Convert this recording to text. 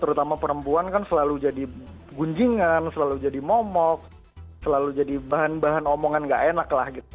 terutama perempuan kan selalu jadi gunjingan selalu jadi momok selalu jadi bahan bahan omongan gak enak lah gitu